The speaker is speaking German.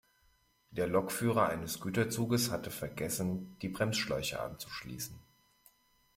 Der Lokführer eines Güterzuges hatte vergessen, die Bremsschläuche anzuschließen.